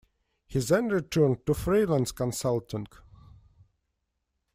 He then returned to freelance consulting.